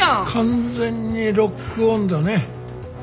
完全にロックオンだね。